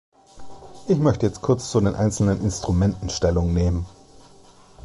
Ich möchte jetzt kurz zu den einzelnen Instrumenten Stellung nehmen.